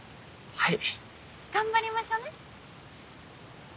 はい。